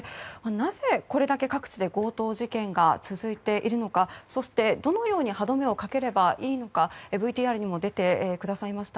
なぜ、これだけ各地で強盗事件が続いているのかそして、どのように歯止めをかければいいのかＶＴＲにも出てくださいました